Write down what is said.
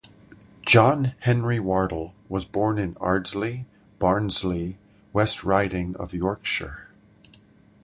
John Henry Wardle was born in Ardsley, Barnsley, West Riding of Yorkshire.